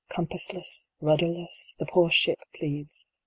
Compassless, rudderless, the poor Ship pleads.